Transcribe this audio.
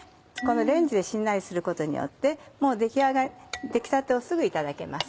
レンジでしんなりすることによってもう出来たてをすぐいただけます。